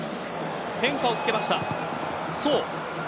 変化を付けました。